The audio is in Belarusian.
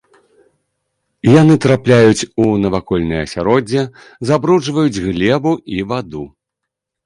Яны трапляюць у навакольнае асяроддзе, забруджваюць глебу і ваду.